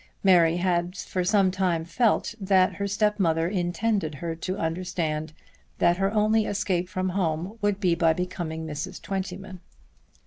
Mary had for some time felt that her step mother intended her to understand that her only escape from home would be by becoming Mrs. Twentyman.